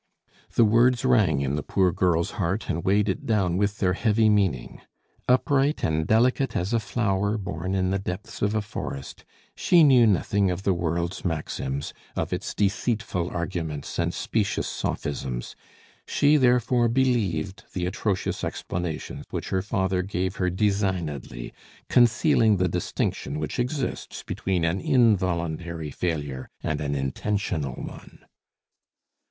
The words rang in the poor girl's heart and weighed it down with their heavy meaning. Upright and delicate as a flower born in the depths of a forest, she knew nothing of the world's maxims, of its deceitful arguments and specious sophisms; she therefore believed the atrocious explanation which her father gave her designedly, concealing the distinction which exists between an involuntary failure and an intentional one.